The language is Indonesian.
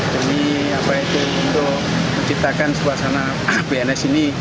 demi apa itu untuk menciptakan suasana pns ini